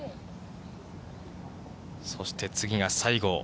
そして次が西郷。